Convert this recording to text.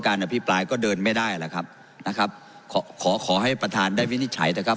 อภิปรายก็เดินไม่ได้แหละครับนะครับขอขอขอให้ประธานได้วินิจฉัยนะครับ